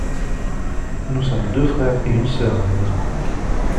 Nous sommes deux frères et une sœur à la maison.